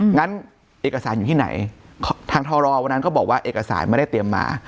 งั้นเอกสารอยู่ที่ไหนทางทรวันนั้นก็บอกว่าเอกสารไม่ได้เตรียมมา